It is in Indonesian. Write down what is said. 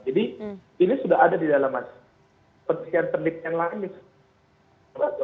jadi ini sudah ada di dalam penelitian penelitian lainnya